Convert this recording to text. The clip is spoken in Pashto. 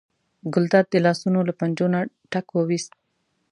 ګلداد د لاسونو له پنجو نه ټک وویست.